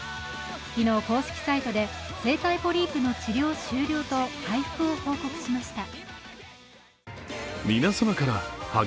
昨日、公式サイトで声帯ポリープの治療終了と回復を報告しました。